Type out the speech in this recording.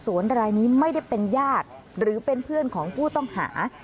รายนี้ไม่ได้เป็นญาติหรือเป็นเพื่อนของผู้ต้องหา